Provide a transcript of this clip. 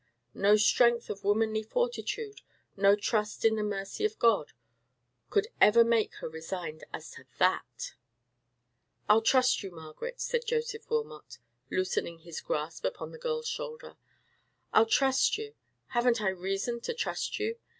No strength of womanly fortitude, no trust in the mercy of God, could even make her resigned as to that. "I'll trust you, Margaret," said Joseph Wilmot, loosening his grasp upon the girl's shoulder; "I'll trust you. Haven't I reason to trust you?